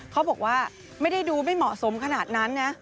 เขาบอกว่าไม่ได้ดูไม่เหมาะสมขนาดนั้นนะ